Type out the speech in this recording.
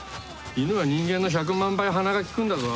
犬は人間の１００万倍鼻が利くんだぞ。